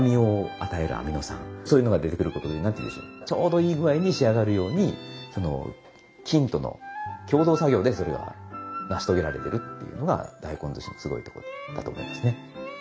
そういうのが出てくることで何ていうんでしょうちょうどいい具合に仕上がるように菌との共同作業でそれが成し遂げられてるっていうのが大根ずしのすごいとこだと思いますね。